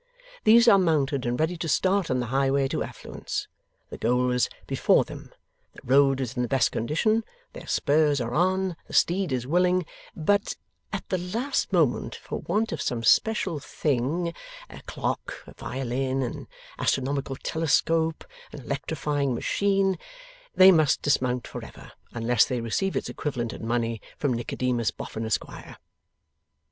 These are mounted and ready to start on the highway to affluence. The goal is before them, the road is in the best condition, their spurs are on, the steed is willing, but, at the last moment, for want of some special thing a clock, a violin, an astronomical telescope, an electrifying machine they must dismount for ever, unless they receive its equivalent in money from Nicodemus Boffin, Esquire.